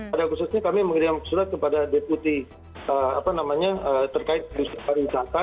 pada khususnya kami mengirim surat kepada deputi terkait industri pariwisata